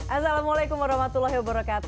assalamualaikum wr wb